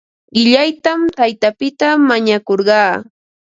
Qillaytam taytapita mañakurqaa.